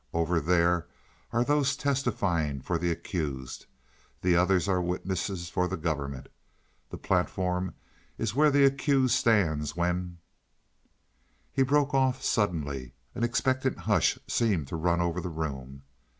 Over there are those testifying for the accused; the others are witnesses for the government. The platform is where the accused stands when " He broke off suddenly. An expectant hush seemed to run over the room.